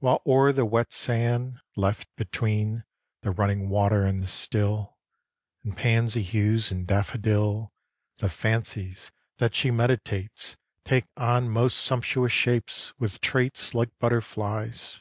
While o'er the wet sand, left between The running water and the still, In pansy hues and daffodil, The fancies that she meditates Take on most sumptuous shapes, with traits Like butterflies.